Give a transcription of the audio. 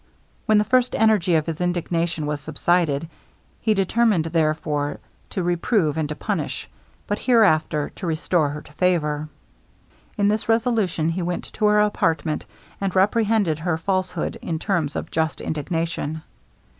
When the first energy of his indignation was subsided, he determined, therefore, to reprove and to punish, but hereafter to restore her to favor. In this resolution he went to her apartment, and reprehended her falsehood in terms of just indignation.